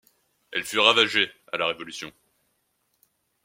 Elle fut ravagée à la révolution.